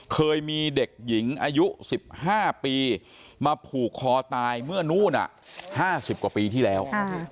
เคยมีเด็กหญิงอายุ๑๕ปีมาผูกคอตายเมื่อนู้น๕๐กว่าปีที่แล้ว